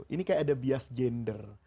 ini kayak ada bias gender